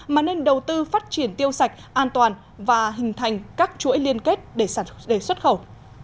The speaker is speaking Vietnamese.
mà nên đầu tư phát triển tiêu sạch an toàn và hình thành các chuỗi liên kết để xuất khẩu